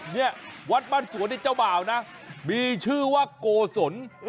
เนี่ยวัดบ้านสวนนี่เจ้าบ่าวนะมีชื่อว่าโกศล